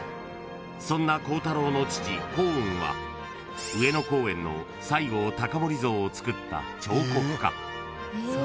［そんな光太郎の父光雲は上野公園の西郷隆盛像をつくった彫刻家］